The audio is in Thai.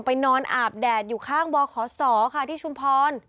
นอนอาบแดดอยู่ข้างบขศค่ะที่ชุมพร